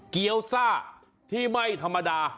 เกี้ยวซ่าที่ไม่ธรรมดา